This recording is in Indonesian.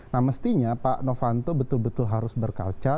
nah mestinya pak novanto betul betul harus berkaca